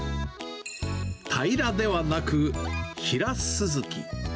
タイラではなく、ヒラスズキ。